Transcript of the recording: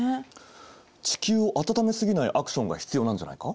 地球を暖め過ぎないアクションが必要なんじゃないか？